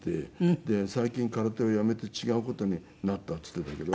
で最近空手をやめて違う事になったって言っていたけど。